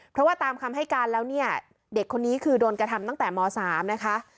เพราะว่าตามคำให้การแล้วเนี่ยเด็กคนนี้คือโดนกระทำตั้งแต่ม๓นะคะ